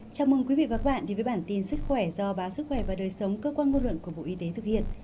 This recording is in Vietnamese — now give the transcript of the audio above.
chào mừng quý vị và các bạn đến với bản tin sức khỏe do báo sức khỏe và đời sống cơ quan ngôn luận của bộ y tế thực hiện